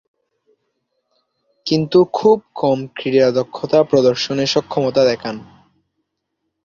কিন্তু খুব কম ক্রীড়া দক্ষতা প্রদর্শনে সক্ষমতা দেখান।